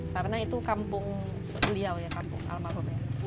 karena itu kampung beliau ya kampung almarhum ya